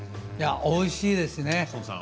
おいしいですね。